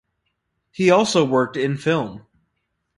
He also worked in film.